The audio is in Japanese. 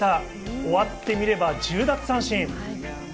終わってみれば１０奪三振。